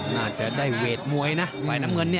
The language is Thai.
น่าจะได้เวทมวยนะฝ่ายน้ำเงิน